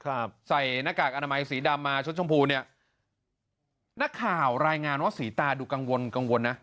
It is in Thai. ใส่หน้ากากอนามัยสีดำมาชุดชมพูเนี้ยนักข่าวรายงานว่าสีตาดูกังวลกังวลนะ